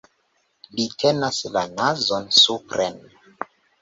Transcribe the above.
Li tenas la nazon supren.